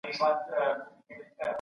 د ټولو نظریاتو ته درناوی ولرئ.